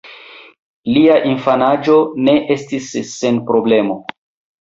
Lia infanaĝo ne estis sen problemo.